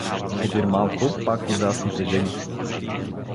Подир малко — пак ужасните жеги.